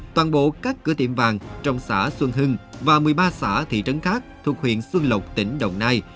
toàn bộ các cửa tiệm vàng trong xã xuân hưng và một mươi ba xã thị trấn khác thuộc huyện xuân lộc tỉnh đồng nai